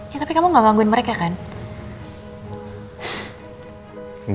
ya tapi kamu gak gangguin mereka kan